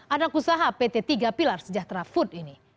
anak usaha pt tiga pilar sejahtera food ini